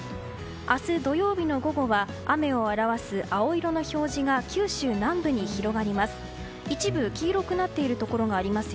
明日、土曜日の午後は雨を表す青色の表示が九州南部に広がります。